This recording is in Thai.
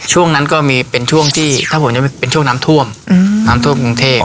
ช่วงนั้นก็มีเป็นช่วงที่ถ้าผมยังเป็นช่วงน้ำท่วมน้ำท่วมกรุงเทพ